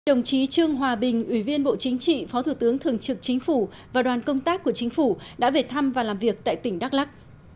đồng chí trương hòa bình ủy viên bộ chính trị phó thủ tướng thường trực chính phủ và đoàn công tác của chính phủ đã về thăm và làm việc tại tỉnh đắk lắc